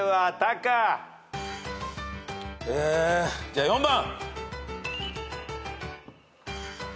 じゃあ４番！